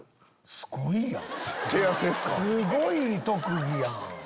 すごい特技やん。